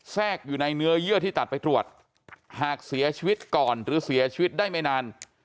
แทรกอยู่ในเนื้อเยื่อที่ตัดไปตรวจหากเสียชีวิตก่อนหรือเสียชีวิตได้ไม่นาน